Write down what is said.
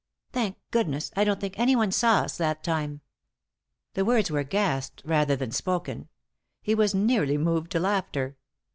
" Thank goodness I I don't think anyone saw as that time !' The words were gasped rather than spoken. He was nearly moved to laughter.